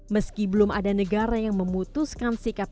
meski belum ada negara yang memutuskan sikap